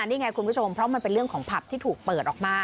นี่ไงคุณผู้ชมเพราะมันเป็นเรื่องของผับที่ถูกเปิดออกมา